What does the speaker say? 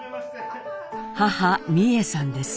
母美惠さんです。